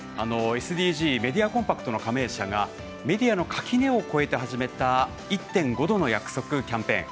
ＳＤＧメディア・コンパクトの加盟社がメディアの垣根を越えて始めた「１．５℃の約束」キャンペーン。